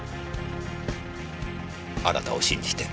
あなたを信じて。